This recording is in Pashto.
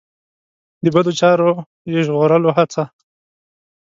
د بدو چارو یې ژغورلو هڅه.